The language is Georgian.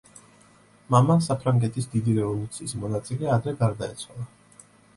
მამა, საფრანგეთის დიდი რევოლუციის მონაწილე ადრე გარდაეცვალა.